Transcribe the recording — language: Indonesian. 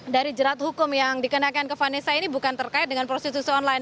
dari jerat hukum yang dikenakan ke vanessa ini bukan terkait dengan prostitusi online